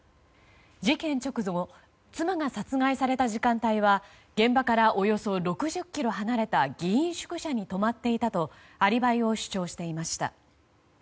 事件直後妻が殺害された時間帯は現場からおよそ６０ｋｍ離れた議員宿舎に泊まっていたとアリバイを主張していました。